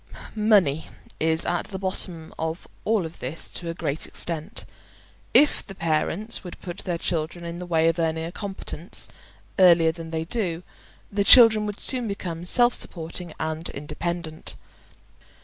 Money is at the bottom of all this to a great extent. If the parents would put their children in the way of earning a competence earlier than they do, the children would soon become self supporting and independent.